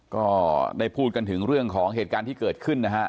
ก็ได้พูดกันถึงเรื่องของเหตุการณ์ที่เกิดขึ้นนะฮะ